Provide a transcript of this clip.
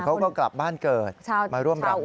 เขาก็กลับบ้านเกิดมาร่วมรำ